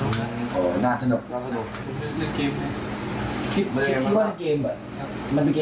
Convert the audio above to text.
โดยไม่ได้ตั้งใจจะขโมยแค่นึกสนุก